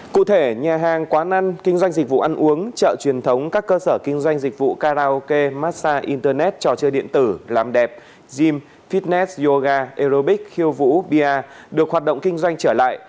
cụ thể nhà hàng quán ăn kinh doanh dịch vụ ăn uống chợ truyền thống các cơ sở kinh doanh dịch vụ karaoke massage internet trò chơi điện tử làm đẹp zam fitnet yoga aerobik khiêu vũ bia được hoạt động kinh doanh trở lại